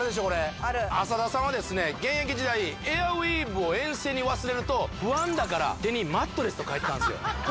これ浅田さんはですね現役時代エアウィーヴを遠征に忘れると不安だから手に「マットレス」と書いてたんですよ